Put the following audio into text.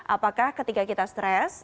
apakah ketika kita stres